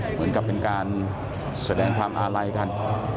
เหมือนกับเป็นการแสดงความอาลัยกัน